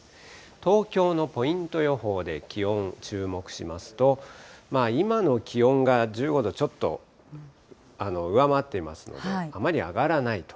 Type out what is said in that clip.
東京のポイント予報で気温、注目しますと、今の気温が１５度ちょっと上回っていますので、あまり上がらないと。